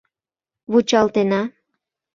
— Вучалтена».